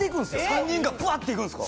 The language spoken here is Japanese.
３人がぶわっていくんですか？